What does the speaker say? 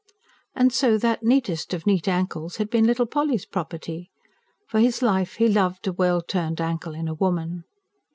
And so that neatest of neat ankles had been little Polly's property! For his life he loved a well turned ankle in a woman.